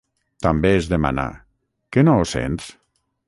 També es demana: Que no ho sents?